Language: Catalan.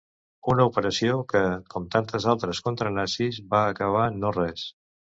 Una operació, que, com tantes altres contra nazis, va acabar en no res.